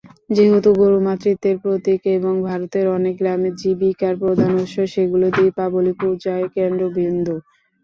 যেহেতু গরু মাতৃত্বের প্রতীক এবং ভারতের অনেক গ্রামে জীবিকার প্রধান উৎস, সেগুলি দীপাবলি পূজার কেন্দ্রবিন্দু।